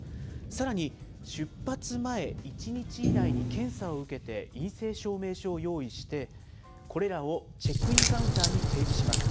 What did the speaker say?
さらに、出発前１日以内に検査を受けて陰性証明書を用意して、これらをチェックインカウンターに提示します。